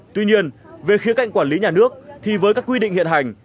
tuy nhiên về khía cạnh quản lý nhà nước thì với các quy định hiện hành